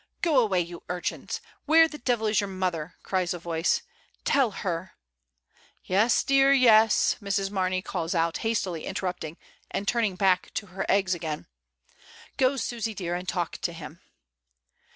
"Go away, you urchins. Where the devil is your mother?" cries a voice. "Tell her ". "Yes, dear, yes," Mrs. Mamey calls out, hastily interrupting, and turning back to her eggs again. "Go, Susy dear, and talk to him."